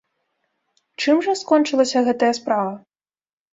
Чым жа скончылася гэтая справа?